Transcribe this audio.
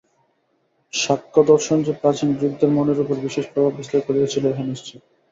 সাংখ্যদর্শন যে প্রাচীন গ্রীকদের মনের উপর বিশেষ প্রভাব বিস্তার করিয়াছিল, ইহা নিশ্চিত।